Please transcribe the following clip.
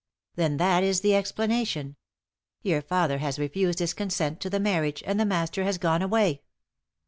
"Then that is the explanation. Your father has refused his consent to the marriage, and the Master has gone away."